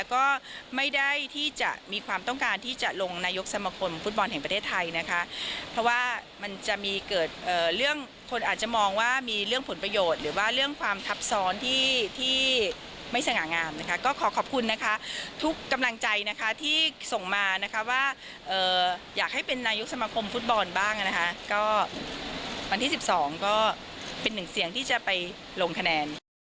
ก็วันที่๑๒ก็เป็นหนึ่งเสียงที่จะไปลงคะแนน